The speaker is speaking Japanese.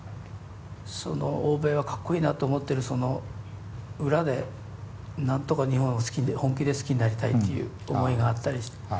欧米はかっこいいなと思ってるその裏でなんとか日本を本気で好きになりたいっていう思いがあったりして。